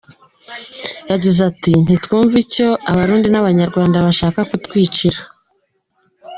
Yagize ati: "Ntitwumva ico abarundi n'abanyarwanda bashaka kutwicira.